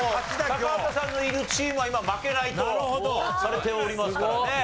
高畑さんのいるチームは今負けないとされておりますからね。